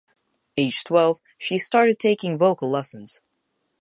Aged twelve, she started taking vocal lessons.